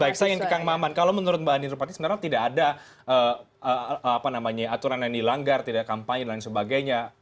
baik saya ingin dikanggaman kalau menurut mbak andi rupati sebenarnya tidak ada aturan yang dilanggar tidak kampanye dan sebagainya